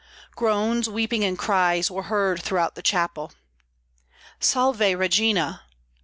Groans, weeping, and cries were heard throughout the chapel. "_Salve, Regina!